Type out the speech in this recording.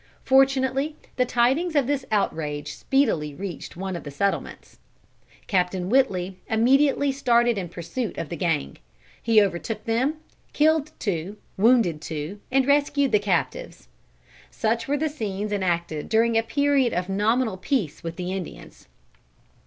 Fortunately the tidings of this outrage speedily reached one of the settlements. Captain Whitley immediately started in pursuit of the gang. He overtook them, killed two, wounded two, and rescued the captives. Such were the scenes enacted during a period of nominal peace with the Indians.